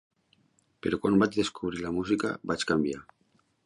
Però quan vaig descobrir la música, vaig canviar.